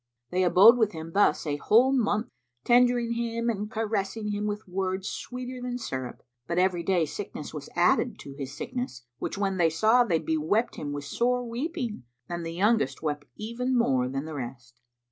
They abode with him thus a whole month, tendering him and caressing him with words sweeter than syrup; but every day sickness was added to his sickness, which when they saw, they bewept him with sore weeping, and the youngest wept even more than the rest.